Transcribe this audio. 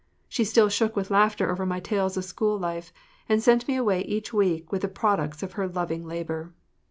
She still shook with laughter over my tales of school life and sent me away each week with the products of her loving labor.